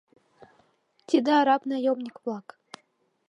Тиде — араб наёмник-влак!